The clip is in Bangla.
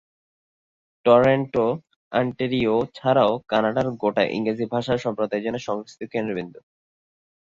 টরন্টো অন্টারিও ছাড়াও কানাডার গোটা ইংরেজিভাষী সম্প্রদায়ের জন্য সাংস্কৃতিক কেন্দ্রবিন্দু।